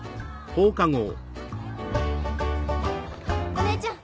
お姉ちゃん！